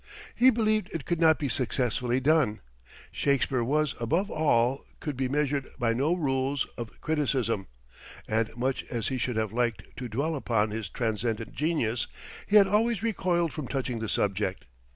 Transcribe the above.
He believed it could not be successfully done. Shakespeare was above all, could be measured by no rules of criticism; and much as he should have liked to dwell upon his transcendent genius, he had always recoiled from touching the subject.